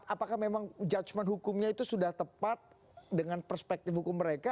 apakah memang judgement hukumnya itu sudah tepat dengan perspektif hukum mereka